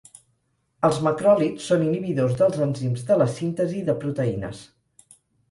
Els macròlids són inhibidors dels enzims de la síntesi de proteïnes.